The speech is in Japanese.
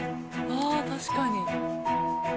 ああ確かに。